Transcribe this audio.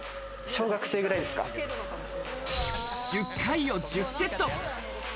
小学生くらい１０回を１０セット。